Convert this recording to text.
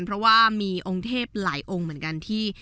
เพราะว่ามีองค์เทพหลายองค์เหมือนกันที่